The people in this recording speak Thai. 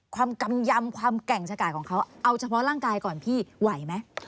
กำยำความแก่งชะกาดของเขาเอาเฉพาะร่างกายก่อนพี่ไหวไหม